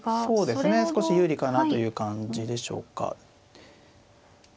そうですね少し有利かなという感じでしょうか。